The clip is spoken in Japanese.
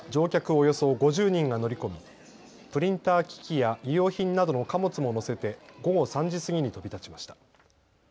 およそ５０人が乗り込み、プリンター機器や衣料品などの貨物も乗せて午後３時過ぎに飛び立ちました。